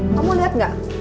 kamu liat gak